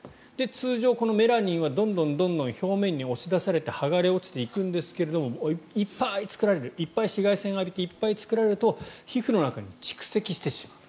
通常、このメラニンはどんどん表面に押し出されて剥がれ落ちていくんですけどいっぱい作られるいっぱい紫外線を浴びていっぱい作られると皮膚の中に蓄積してしまう。